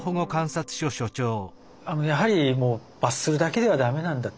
やはり罰するだけでは駄目なんだと。